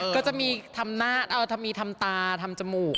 ก็จะมีทำหน้าเอ้ามีทำตาทำจมูก